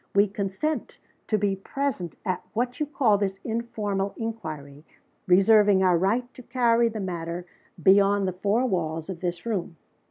We consent to be present at, what you call, 'this informal inquiry,' reserving our right to carry the matter beyond the four walls of this room.